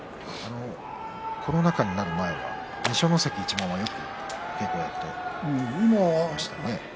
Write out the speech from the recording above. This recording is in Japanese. コロナ禍になる前は二所ノ関一門は、よく一緒に稽古をやっていましたね。